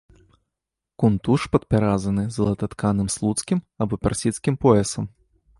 Кунтуш падпяразаны залататканым слуцкім або персідскім поясам.